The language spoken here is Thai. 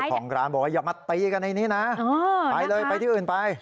ของร้านบอกว่าอย่ามาตีกันในนี้นะไปเลยไปที่อื่นไป